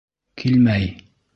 Килмәй!